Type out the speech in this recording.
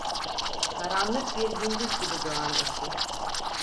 Karanlık bir gündüz gibi doğan eşi: